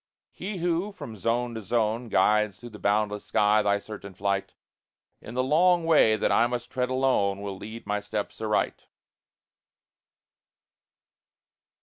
He who, from zone to zone, Guides through the boundless sky thy certain flight, In the long way that I must tread alone, Will lead my steps aright.